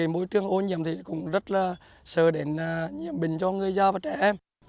môi trường ô nhiễm thì cũng rất sợ để nhiễm bình cho người già và trẻ em